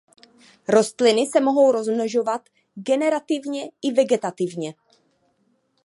Rostliny se mohou rozmnožovat generativně i vegetativně.